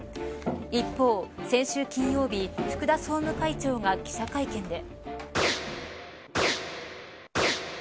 一方、先週金曜日福田総務会長が記者会見で。